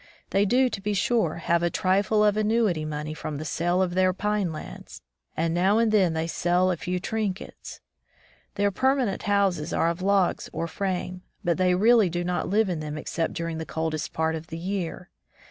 They do, to be sure, have a trifle of annuity money from the sale of 168 Bach to the Woods their pine lands, and now and then they sell a few trinkets. Their permanent houses are of logs or frame, but they really do not live in them except during the coldest part of the year.